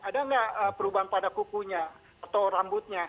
ada nggak perubahan pada kukunya atau rambutnya